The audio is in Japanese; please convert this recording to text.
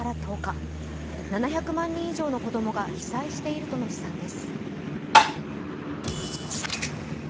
７００万人以上の子供が被災しているという情報です。